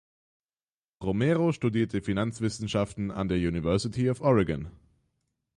Romero studierte Finanzwissenschaften an der University of Oregon.